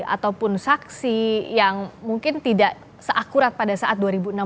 ataupun saksi yang mungkin tidak seakurat pada saat dua ribu enam belas